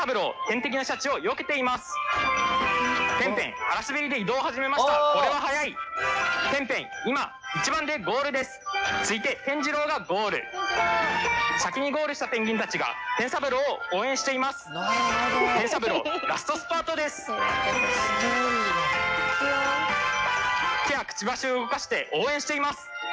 手やくちばしを動かして応援しています。